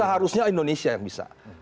seharusnya indonesia yang bisa